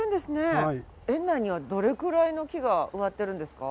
園内にはどれくらいの木が植わってるんですか？